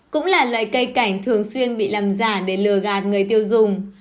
cũng là loại cây cảnh thường xuyên bị làm giả để lừa gạt người tiêu dùng